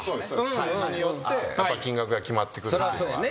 数字によって金額が決まってくるっていうのがある。